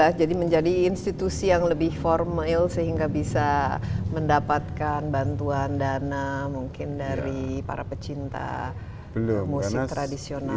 ya jadi menjadi institusi yang lebih formal sehingga bisa mendapatkan bantuan dana mungkin dari para pecinta musik tradisional